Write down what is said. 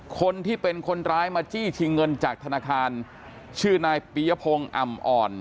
คนที่เป็นคนร้ายมาจี้ชิงเงินจากธนาคารชื่อนายปียพงศ์อ่ำอ่อน